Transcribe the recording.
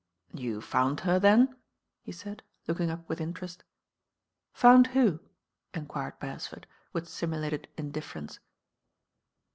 "You found her then?" he said, looking up with interest. "Found who?" enquired Beresford, with simu lated indifference.